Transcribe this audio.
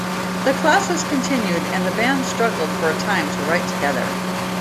The classes continued and the band struggled for time to write together.